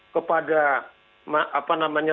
kepada apa namanya